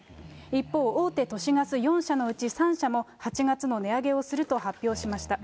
一方、大手都市ガス４社のうち３社も、８月の値上げをすると発表しました。